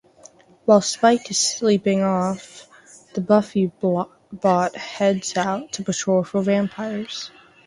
While Spike is sleeping it off, the Buffybot heads out to patrol for vampires.